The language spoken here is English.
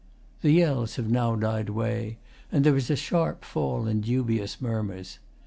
[The yells have now died away, and there is a sharp fall in dubious murmurs.